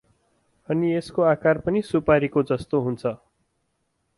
अनि यस्को आकार पनि सुपारीको जस्तै हुन्छ ।